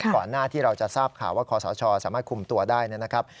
ก่อนหน้าที่เราจะทราบข่าวว่าคอสชสามารถคุมตัวได้นะครับ